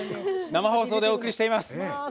生放送でお送りしています。